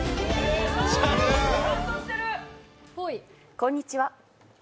こんにちは。